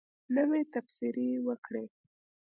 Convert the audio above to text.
نوی تبصرې وکړئ